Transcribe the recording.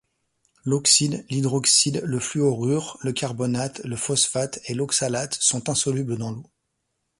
L'oxyde, l'hydroxyde, le fluorure, le carbonate, le phosphate et l'oxalate sont insolubles dans l'eau.